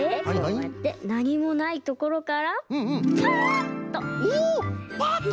こうやってなにもないところからパッと！